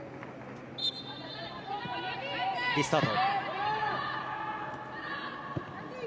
リスタート。